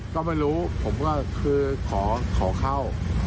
ก็ไม่รู้ผมก็คือขอเข้า